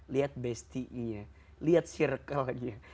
lihat bestinya lihat circle nya